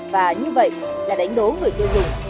và như vậy là đánh đố người tiêu dùng